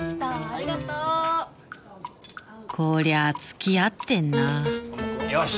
ありがとうこりゃつきあってんなよし